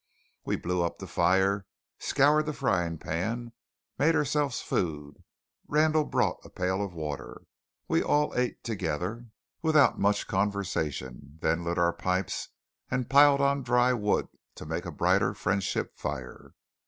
We blew up the fire, scoured the frying pan, made ourselves food. Randall brought a pail of water. We all ate together, without much conversation; then lit our pipes and piled on dry wood to make a brighter friendship fire.